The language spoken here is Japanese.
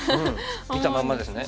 見たまんまですね。